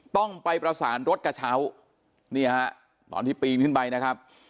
ต้องไปประสานรถกระเช้านี่ฮะตอนที่ปีนขึ้นไปนะครับ